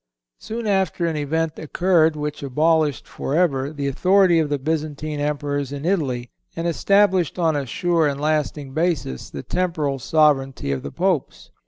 Soon after an event occurred which abolished forever the authority of the Byzantine Emperors in Italy, and established on a sure and lasting basis the temporal sovereignty of the Popes.